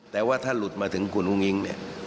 แต่ว่าถ้าหลุดมาถึงคุณอุ้งอิ๊งเนี่ย